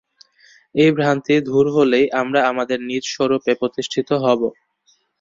এই ভ্রান্তি দূর হলেই আমরা আমাদের নিজ স্বরূপে প্রতিষ্ঠিত হব।